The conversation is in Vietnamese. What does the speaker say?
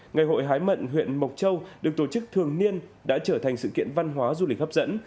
ngày hội hái mận huyện mộc châu được tổ chức thường niên đã trở thành sự kiện văn hóa du lịch hấp dẫn